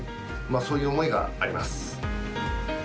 そういう思いがあります。